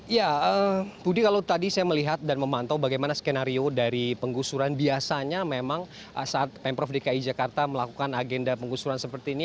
ya budi kalau tadi saya melihat dan memantau bagaimana skenario dari penggusuran biasanya memang saat pemprov dki jakarta melakukan agenda penggusuran seperti ini